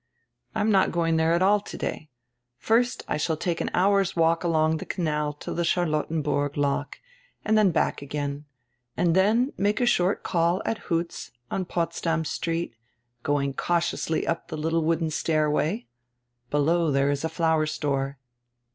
"I am not going there at all today. First I shall take an hour's walk along tire canal to the Charlottenhurg lock and dien hack again. And then make a short call at Huth's on Potsdam St., going cautiously up die little wooden stair way. Below diere is a flower store."